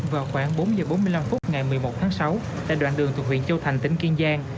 vào khoảng bốn giờ bốn mươi năm phút ngày một mươi một tháng sáu tại đoạn đường thuộc huyện châu thành tỉnh kiên giang